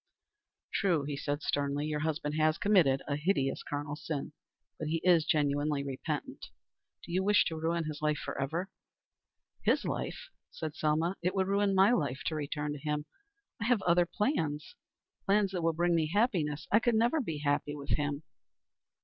"True," he said, rather sternly, "your husband has committed a hideous, carnal sin, but he is genuinely repentant. Do you wish to ruin his life forever?" "His life?" said Selma. "It would ruin my life to return to him. I have other plans plans which will bring me happiness. I could never be happy with him."